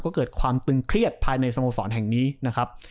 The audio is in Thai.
ก็เกิดความตึงเครียดภายในสโมสรแห่งนี้นะครับ